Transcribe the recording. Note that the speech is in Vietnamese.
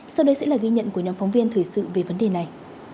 sau đây sẽ là ghi nhận của nhóm phóng viên thời sự về vấn đề này